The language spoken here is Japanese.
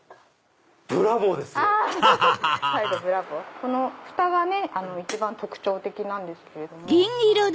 このふたが一番特徴的なんですけれども。